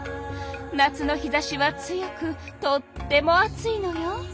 夏の日ざしは強くとっても暑いのよ。